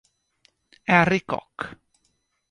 Harry Koch